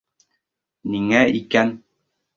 Ниңә икән?